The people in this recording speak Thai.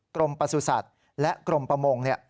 กรมประสุทธิ์ศัตริย์และกรมประมง